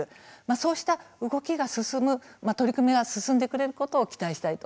そうした動きが取り組みが進んでくれることを期待したいと